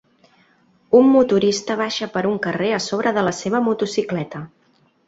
Un motorista baixa per un carrer a sobre de la seva motocicleta.